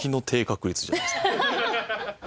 ハハハハ！